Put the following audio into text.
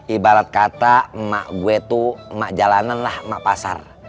ibarat kata emak gue tuh emak jalanan lah sama pasar